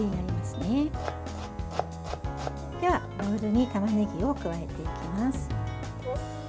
ではボウルにたまねぎを加えていきます。